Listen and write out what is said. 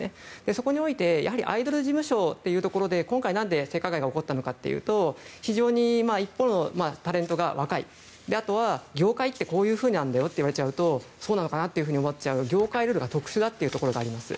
そこにおいてアイドル事務所というところで今回何で性加害が起こったのかというと非常にタレントが若いあとは業界ってこうなんだよって言われてしまうとそうなのかなと思っちゃう、業界ルールが特殊なところがあります。